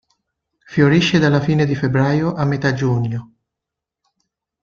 Fiorisce dalla fine di febbraio a metà giugno.